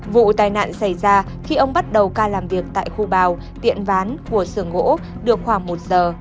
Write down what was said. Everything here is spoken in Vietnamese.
vụ tai nạn xảy ra khi ông bắt đầu ca làm việc tại khu bào tiệm ván của sưởng gỗ được khoảng một giờ